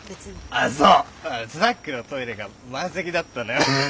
ああそうスナックのトイレが満席だったのよフフフ。